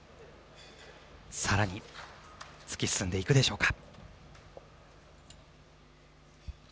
更に突き進んでいくでしょうか。